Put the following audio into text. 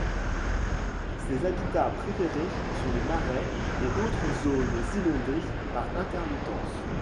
Ses habitats préférés sont les marais et autres zones inondées par intermittence.